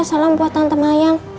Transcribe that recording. salam buat tante mayang